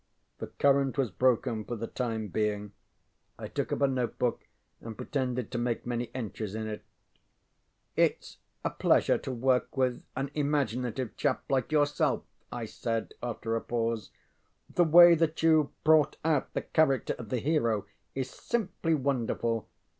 ŌĆØ The current was broken for the time being. I took up a notebook and pretended to make many entries in it. ŌĆ£ItŌĆÖs a pleasure to work with an imaginative chap like yourself, ŌĆØ I said after a pause. ŌĆ£The way that youŌĆÖve brought out the character of the hero is simply wonderful.